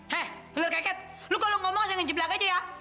hei lelaki keket kalau anda berbicara anda harus menjeblak saja ya